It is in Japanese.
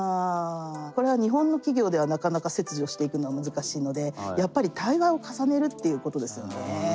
これは日本の企業ではなかなか切除していくのは難しいのでやっぱり対話を重ねるっていうことですよね。